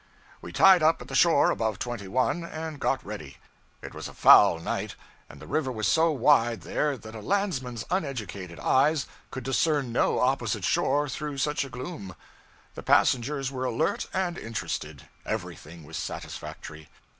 We tied up at the shore above 21, and got ready. It was a foul night, and the river was so wide, there, that a landsman's uneducated eyes could discern no opposite shore through such a gloom. The passengers were alert and interested; everything was satisfactory.